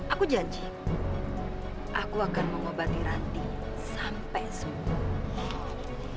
aku janji aku akan mengobati ranti sampai sembuh